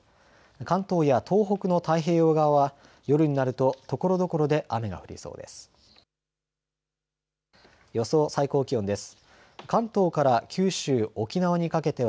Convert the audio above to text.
関東や東北の太平洋側は夜になるとところどころで雨が降りそうです。